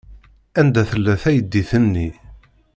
Anda tella teydit-nni?